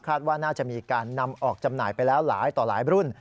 ว่าน่าจะมีการนำออกจำหน่ายไปแล้วหลายต่อหลายรุ่น